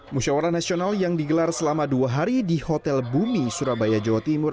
musyawara nasional yang digelar selama dua hari di hotel bumi surabaya jawa timur